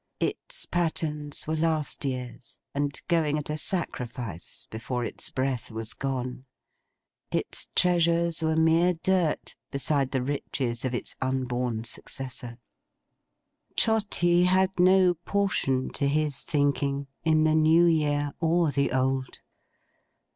Its patterns were Last Year's, and going at a sacrifice, before its breath was gone. Its treasures were mere dirt, beside the riches of its unborn successor! Trotty had no portion, to his thinking, in the New Year or the Old.